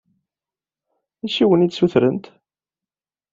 D acu i awen-d-ssutrent?